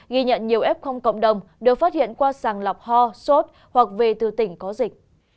ghi nhận nhiều f cộng đồng đều phát hiện qua sàng lọc ho sốt hoặc về từ tỉnh có dịch